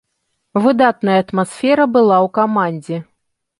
Выдатная атмасфера была ў камандзе.